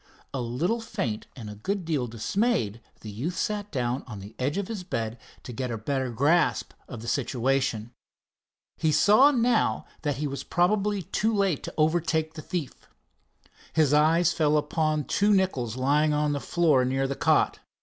A little faint and a good deal dismayed, the youth sat down on the edge of his bed to get a better grasp of the situation. He saw now that he was probably too late to overtake the thief. His eyes fell upon two nickels lying on the floor near the cot.